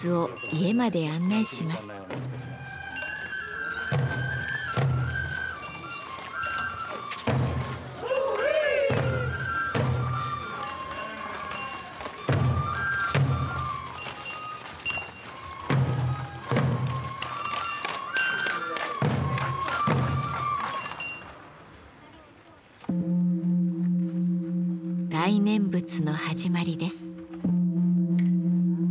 大念仏の始まりです。